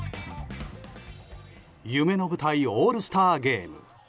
夢の舞台、オールスターゲーム。